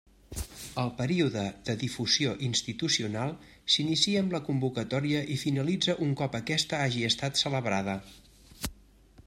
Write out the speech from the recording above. El període de difusió institucional s'inicia amb la convocatòria i finalitza un cop aquesta hagi estat celebrada.